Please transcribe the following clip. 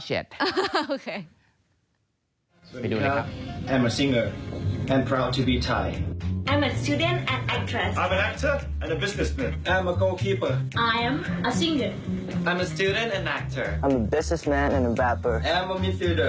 สวัสดีครับสวัสดีครับ